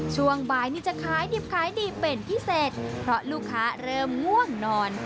ช่วงบ่ายนี้จะขายดิบขายดีเป็นพิเศษเพราะลูกค้าเริ่มง่วงนอน